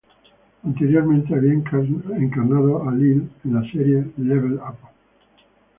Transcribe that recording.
Anteriormente había encarnado a Lyle en la serie "Level Up".